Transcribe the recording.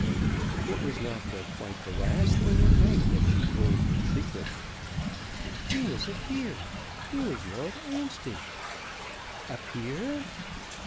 It was not till quite the last thing at night that she told her secret. "He was a peer! He was Lord 'Ampstead!" "A peer!"